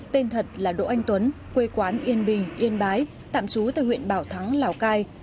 tên thật là đỗ anh tuấn quê quán yên bình yên bái tạm trú tại huyện bảo thắng lào cai